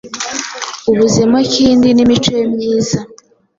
ubuzemo Kindi n’imico ye myiza.